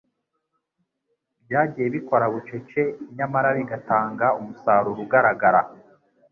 byagiye bikora bucece nyamara bigatanga umusaruro ugaragara